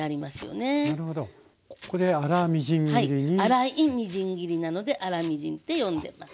粗いみじん切りなので粗みじんって呼んでます。